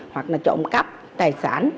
hoặc là trộm cắp tài sản